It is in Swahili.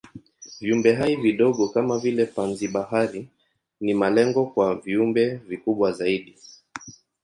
Viumbehai vidogo kama vile panzi-bahari ni malengo kwa viumbe vikubwa zaidi.